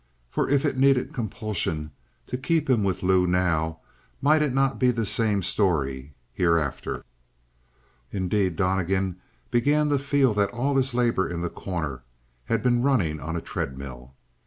For if it needed compulsion to keep him with Lou now, might it not be the same story hereafter? Indeed, Donnegan began to feel that all his labor in The Corner had been running on a treadmill.